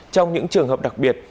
trong những trường hợp đặc biệt